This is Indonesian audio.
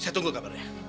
saya tunggu kabarnya